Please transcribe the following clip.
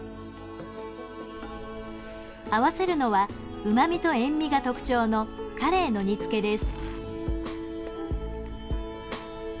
合わせるのはうま味と塩味が特徴のカレイの煮つけです。